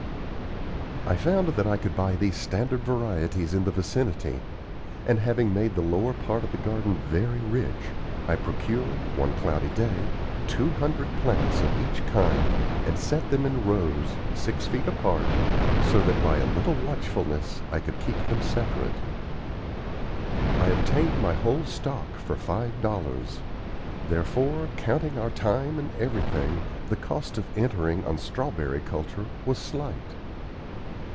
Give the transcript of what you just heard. I found that I could buy these standard varieties in the vicinity; and having made the lower part of the garden very rich, I procured, one cloudy day, two hundred plants of each kind and set them in rows, six feet apart, so that by a little watchfulness I could keep them separate. I obtained my whole stock for five dollars; therefore, counting our time and everything, the cost of entering on strawberry culture was slight.